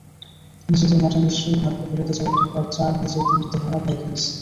নিজেদের মাঠে নিশ্চয়ই ভাগ্য ফেরাতে চাইবে ঢাকায় চার ম্যাচের তিনটিতে হারা ভাইকিংস।